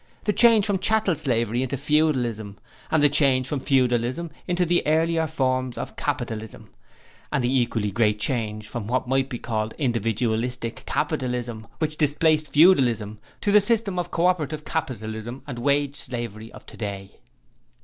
The change from chattel slavery into Feudalism; and the change from Feudalism into the earlier form of Capitalism; and the equally great change from what might be called the individualistic capitalism which displaced Feudalism, to the system of Co operative Capitalism and Wage Slavery of today.'